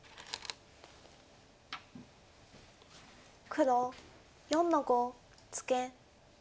黒４の五ツケ。